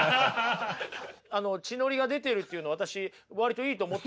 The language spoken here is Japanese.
あの血のりが出てるっていうの私割といいと思ったんですけど。